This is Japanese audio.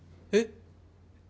えっ？